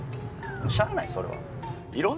しゃあないそれは。